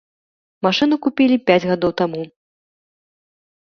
Машыну купілі пяць гадоў таму.